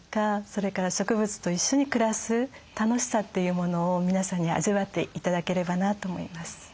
それから植物と一緒に暮らす楽しさというものを皆さんに味わって頂ければなと思います。